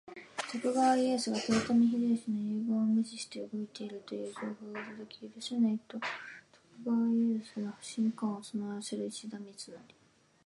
徳川家康が豊臣秀吉の遺言を無視して動いているという情報が届き、「許せない！」と徳川家康への不信感を募らせる石田三成。